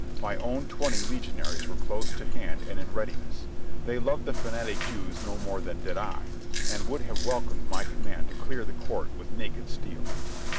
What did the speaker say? My own twenty legionaries were close to hand and in readiness. They loved the fanatic Jews no more than did I, and would have welcomed my command to clear the court with naked steel.